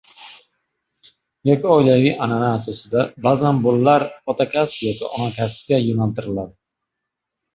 yoki oilaviy anʼana asosida baʼzan bolalar otakasb yoki onakasbga yo‘naltiriladi.